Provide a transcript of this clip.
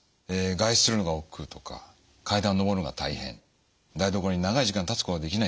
外出するのがおっくうとか階段を上るのが大変台所に長い時間立つことができないなど。